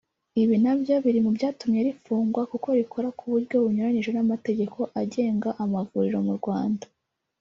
Ibyo nabyo biri mu byatumye rifungwa kuko rikora ku buryo bunyuranyije n’amategeko agenga amavuriro mu Rwanda